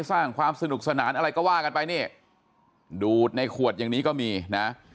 สร้างความสนุกสนานอะไรก็ว่ากันไปนี่ดูดในขวดอย่างนี้ก็มีนะ